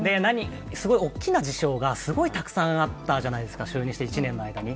大きな事象がたくさんあったじゃないですか、就任して１年の間に。